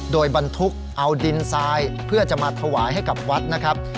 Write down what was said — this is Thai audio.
โดยบรรทุกเอาดินทรายเพื่อจะมาถวายให้กับวัดนะครับ